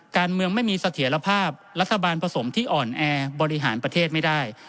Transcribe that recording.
การเมืองไม่มีเสถียรภาพรัฐบาลผสมที่อ่อนแอบริหารประเทศไม่ได้